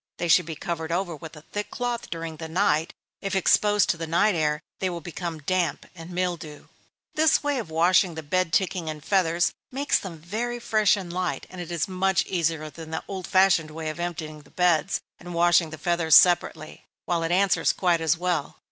They should be covered over with a thick cloth during the night; if exposed to the night air, they will become damp, and mildew. This way of washing the bed ticking and feathers, makes them very fresh and light, and is much easier than the old fashioned way of emptying the beds, and washing the feathers separately, while it answers quite as well.